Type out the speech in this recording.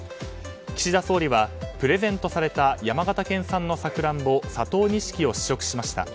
岸田総理は、プレゼントされた山形県産のサクランボ佐藤錦を試食しました。